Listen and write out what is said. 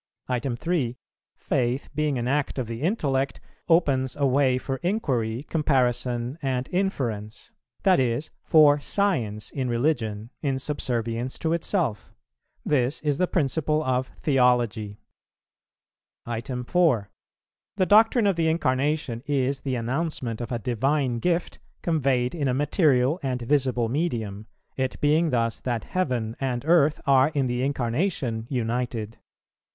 3. Faith, being an act of the intellect, opens a way for inquiry, comparison and inference, that is, for science in religion, in subservience to itself; this is the principle of theology. 4. The doctrine of the Incarnation is the announcement of a divine gift conveyed in a material and visible medium, it being thus that heaven and earth are in the Incarnation united.